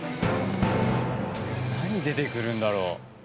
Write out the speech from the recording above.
何出てくるんだろう？